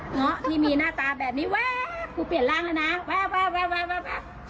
หงอที่มีหน้าตาแบบนี้เว้ยครูเปลี่ยนล่างแล้วน้าเว้ยเว้ยเว้ยเว้ยเว้ย